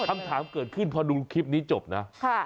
คำถามเกิดขึ้นพอดูคลิปนี้จบนะ